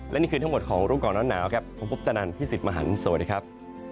และนี่คือทั้งหมดของรูปก่อนร้อนหนาวครับผมพุทธนันพี่สิทธิ์มหันฯสวัสดีครับ